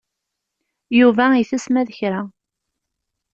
Yuba itess ma d kra.